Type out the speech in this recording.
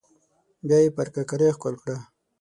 بيا يې پر ککرۍ ښکل کړه.